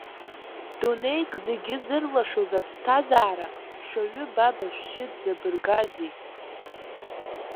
Дунеик зегьы зырлашоз аԥсҭазаара-шаҩы баб ашәшьы дзабыргазеи?!